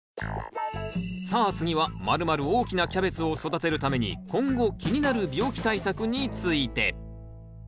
さあ次はまるまる大きなキャベツを育てるために今後気になる病気対策について。